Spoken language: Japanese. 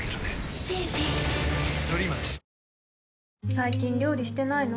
最近料理してないの？